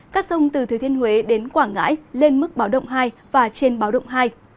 các sông từ thừa thiên huế đến quảng ngãi lên mức báo động hai và trên báo động hai